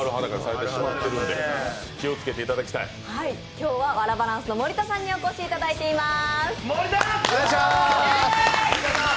今日はワラバランスの盛田さんにお越しいただいています。